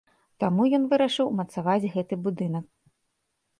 Таму ён вырашыў умацаваць гэты будынак.